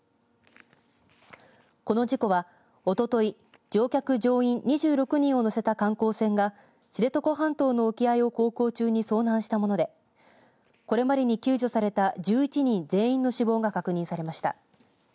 この事故はおととい乗客・乗員２６人を乗せた観光船が知床半島の沖合を航行中に遭難したものでこれまでに救助された１１人全員の死亡が確認されました。